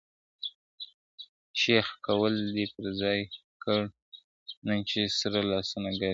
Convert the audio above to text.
شیخه قول دي پر ځای کړ نن چي سره لاسونه ګرځې `